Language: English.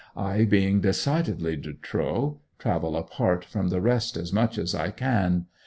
I, being decidedly de trop, travel apart from the rest as much as I can.